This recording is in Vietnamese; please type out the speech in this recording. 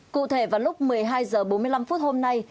cụ thể vào lúc một mươi hai h bốn mươi năm hôm nay